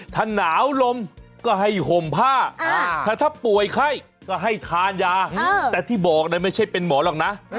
ถ้าหนาวลมก็ให้ห่มผ้าถ้าป่วยไข้ก็ให้ทานยาแต่ที่บอกไม่ใช่เป็นหมอหรอกนะ